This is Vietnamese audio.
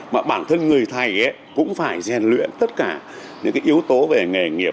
mà bản thân người thầy cũng phải rèn luyện tất cả những yếu tố về nghề nghiệp